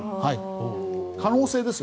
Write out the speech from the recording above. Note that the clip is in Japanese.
可能性ですよ。